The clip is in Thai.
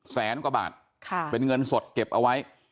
แสนกว่าบาทเป็นเงินสดเก็บเอาไว้